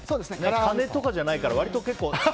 鐘とかじゃないから割と。